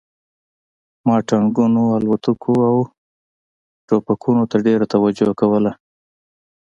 ما ټانکونو الوتکو او ټوپکونو ته ډېره توجه کوله